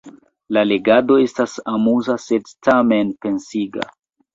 La legado estas amuza sed, tamen, pensiga.